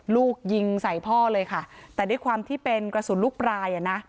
ลูกยิงใส่พ่อเลยค่ะแต่ด้วยความที่เป็นกระสุนลูกปลายอ่ะนะ